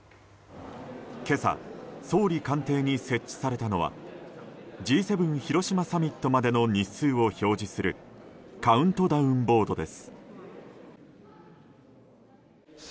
今朝総理官邸に設置されたのはＧ７広島サミットまでの日数を表示するカウントダウンボードです。